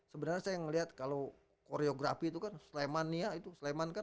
sebenarnya saya ngelihat kalau koreografi itu kan sleman ya